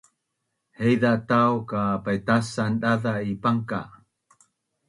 Haiza tau ka paitacan daza’ i pangka’